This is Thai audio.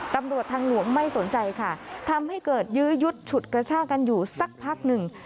ตำรวจทางหลวงไม่สนใจค่ะทำให้เกิดยื้อยุดฉุดกระชากันอยู่สักพักหนึ่ง